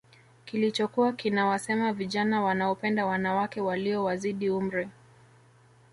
Kilichokuwa kinawasema vijana wanaopenda wanawake Walio wazidi umri